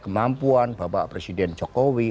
kemampuan bapak presiden jokowi